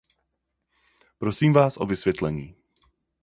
Prosím vás o vysvětlení.